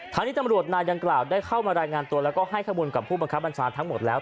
ที่ตำรวจนายดังกล่าวได้เข้ามารายงานตัวแล้วก็ให้ข้อมูลกับผู้บังคับบัญชาทั้งหมดแล้ว